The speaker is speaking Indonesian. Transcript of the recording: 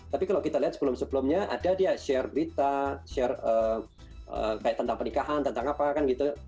tapi kalau kita lihat sebelum sebelumnya ada dia share berita share kayak tentang pernikahan tentang apa kan gitu